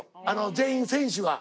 全員選手が。